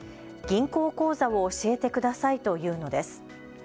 銀行口座を教えてくださいと言うのです。